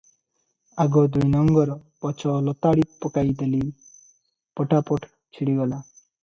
ଆଗ ଦୁଇ ନଙ୍ଗର ପଛ ଲତାଡ଼ି ପକାଇ ଦେଲି, ପଟାପଟ ଛିଡ଼ିଗଲା ।